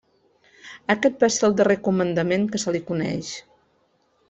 Aquest va ser el darrer comandament que se li coneix.